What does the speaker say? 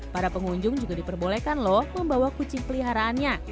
para pengunjung juga diperbolehkan loh membawa kucing peliharaannya